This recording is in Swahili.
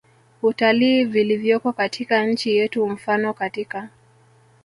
utalii vilivyoko katika nchi yetu Mfano katika